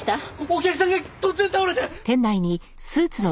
お客さんが突然倒れて。